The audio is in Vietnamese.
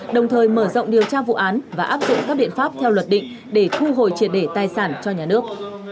đồng thời mở rộng điều tra vụ án và áp dụng các biện pháp theo luật định để thu hồi triệt để tài sản cho nhà nước